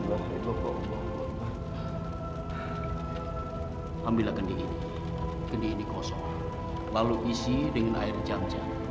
aku akan menikah dengan danang